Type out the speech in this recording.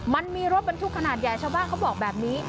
มันมีรถบรรทุกขนาดใหญ่ชาวบ้านเขาบอกแบบนี้